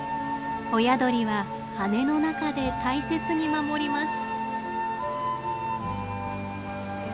親鳥は羽の中で大切に守ります。